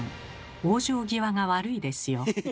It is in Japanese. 往生際が悪いですよ。